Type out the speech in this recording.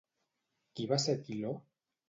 Qui va ser Quiló?